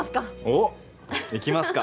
おっいきますか。